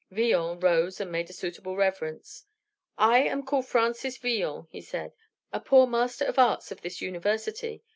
Villon rose and made a suitable reverence. "I am called Francis Villon," he said, "a poor Master of Arts of this university.